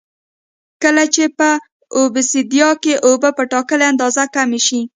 کله چې په اوبسیدیان کې اوبه په ټاکلې اندازه کمې شي